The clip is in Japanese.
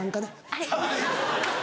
はい。